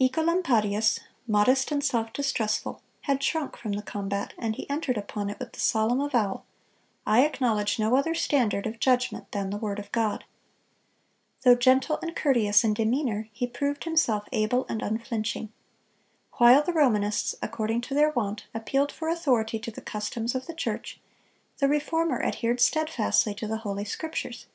Œcolampadius, modest and self distrustful, had shrunk from the combat, and he entered upon it with the solemn avowal, "I acknowledge no other standard of judgment than the word of God."(262) Though gentle and courteous in demeanor, he proved himself able and unflinching. While the Romanists, according to their wont, appealed for authority to the customs of the church, the Reformer adhered steadfastly to the Holy Scriptures.